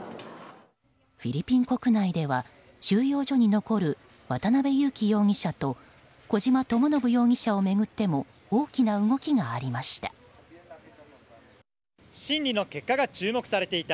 フィリピン国内では収容所に残る渡辺優樹容疑者と小島智信容疑者を巡っても大きな動きがありました。